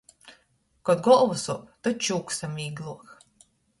Kod golva suop, tod čūkstam vīgļuok!